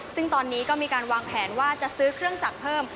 ซึ่งตอนนี้ก็มีการวางแผนว่าจะซื้อเครื่องจักรเพิ่ม